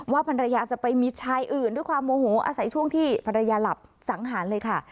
ภรรยาจะไปมีชายอื่นด้วยความโมโหอาศัยช่วงที่ภรรยาหลับสังหารเลยค่ะ